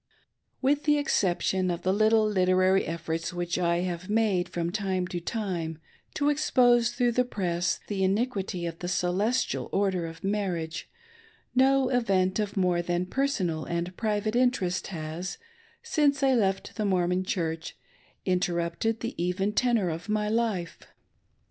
With the exception of the little literary efforts which I have made from time to time to expose through the press the iniquity of the " Celestial Order of Marriage/' no event of more than per sonal and private interest has, since I left the Mormon Church, interrupted the even tenor of my life.